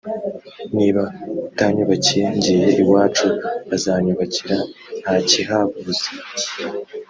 niba utanyubakiye ngiye iwacu bazanyubakira ntakihabuze